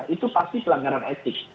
itu pasti pelanggaran etik